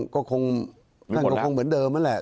ก็คงเหมือนเดิมนั่นแหละ